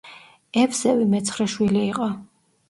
ევსევი მეცხრე შვილი იყო.